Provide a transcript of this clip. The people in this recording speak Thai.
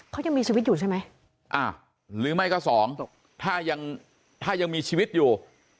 เขายังมีชีวิตอยู่ใช่ไหมอ่าหรือไม่ก็สองถ้ายังถ้ายังมีชีวิตอยู่